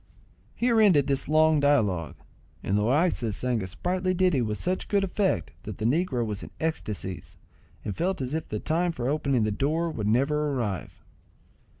Here ended this long dialogue, and Loaysa sang a sprightly ditty with such good effect, that the negro was in ecstacies, and felt as if the time for opening the door would never arrive.